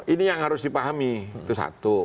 ini yang harus dipahami itu satu